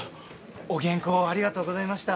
お原稿ありがとうございました。